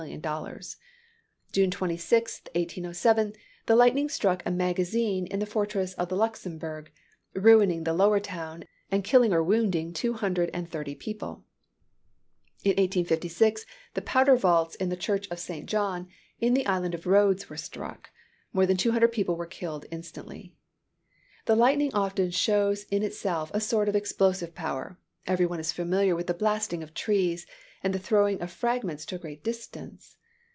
June 26, 1807, the lightning struck a magazine in the fortress of the Luxembourg, ruining the lower town, and killing or wounding two hundred and thirty people. In 1856 the powder vaults in the church of St. John, in the island of Rhodes were struck. More than two hundred people were instantly killed. The lightning often shows in itself a sort of explosive power. Every one is familiar with the blasting of trees, and the throwing of fragments to a great distance.